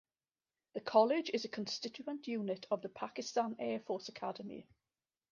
The College is a constituent unit of the Pakistan Air Force Academy.